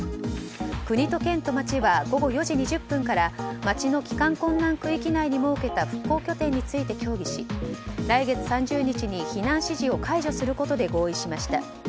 国と県と町は午後４時２０分から町の帰還困難区域内に設けた復興拠点について協議し来月３０日に避難指示を解除することで合意しました。